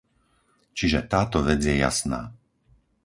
Čiže táto vec je jasná.